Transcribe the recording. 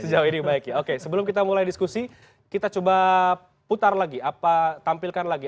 sejauh ini baik ya oke sebelum kita mulai diskusi kita coba putar lagi apa tampilkan lagi